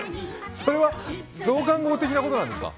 それは増刊号的なものなんですか。